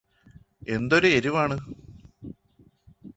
എന്തൊരു എരിവാണ്